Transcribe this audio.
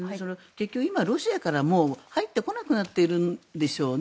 今ロシアから入ってこなくなっているんでしょうね。